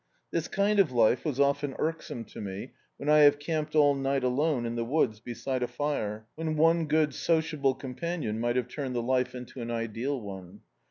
This kind of life was often irksome to me, when I have camped all night alone in the woods, beside a fire, when one good sociable com panion mi^t have turned the life into an ideal one.